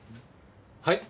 はい？